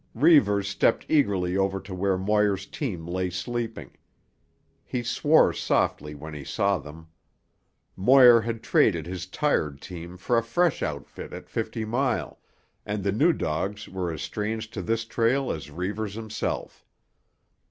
Reivers stepped eagerly over to where Moir's team lay sleeping. He swore softly when he saw them. Moir had traded his tired team for a fresh outfit at Fifty Mile, and the new dogs were as strange to this trail as Reivers himself.